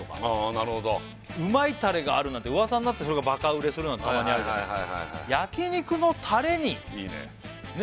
なるほどうまいタレがあるなんて噂になってそれがバカ売れするなんてたまにあるじゃないですか焼肉のタレにいいね